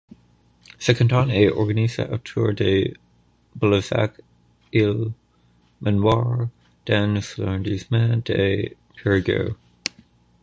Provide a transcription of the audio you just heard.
Ce canton est organisé autour de Boulazac Isle Manoire dans l'arrondissement de Périgueux.